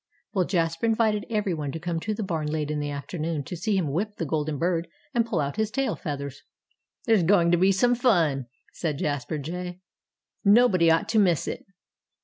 Well, Jasper invited everybody to come to the barn late in the afternoon to see him whip the golden bird and pull out his tail feathers. "There's going to be some fun," said Jasper Jay. "Nobody ought to miss it."